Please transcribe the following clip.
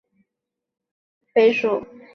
鲱科的模式属为鲱属。